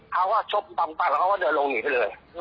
เขาก็ชบอัตกุะละเขาก็เดินลงอยู่ไปเลย